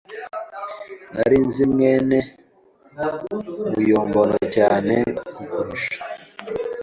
Nari nzi mwene muyombano cyane kukurusha.